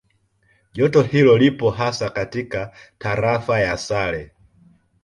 Joto hilo lipo hasa katika Tarafa ya Sale